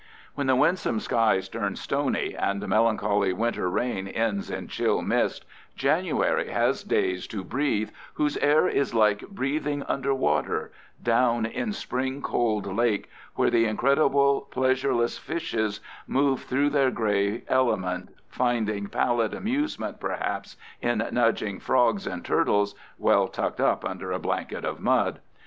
When the winsome skies turn stony, and melancholy winter rain ends in chill mist, January has days to breathe whose air is like breathing under water, down in spring cold lake, where the incredible, pleasureless fishes move through their gray element, finding pallid amusement perhaps in nudging frogs and turtles, well tucked up under a blanket of mud.